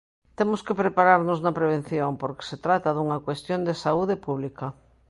Temos que prepararnos na prevención, porque se trata dunha cuestión de saúde pública.